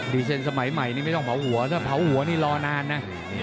เซ็นสมัยใหม่นี่ไม่ต้องเผาหัวถ้าเผาหัวนี่รอนานนะ